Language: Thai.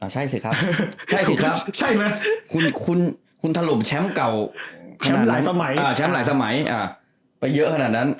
ใช่สิครับคุณถล่มแชมป์เก่าแชมป์หลายสมัยไปเยอะขนาดนั้น